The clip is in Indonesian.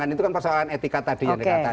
itu kan persoalan etika tadi yang dikatakan